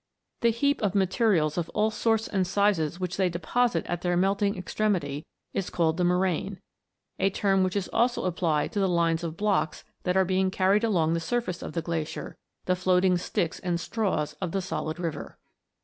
The heap of materials of all sorts and sizes which they deposit at their melting extremity is called the moraine, a term which is also applied to the lines of blocks that are being carried along on the surface of the glacier, the floating sticks and straws of the solid river.